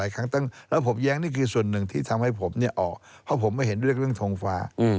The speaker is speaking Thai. คือส่วนหนึ่งที่ทำให้ผมเนี่ยออกเพราะผมไม่เห็นเรื่องทงฟ้า